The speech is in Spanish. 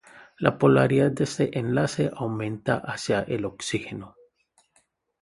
La polaridad de este enlace aumenta hacia el oxígeno.